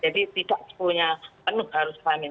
jadi tidak sepuluh nya penuh harus pahamin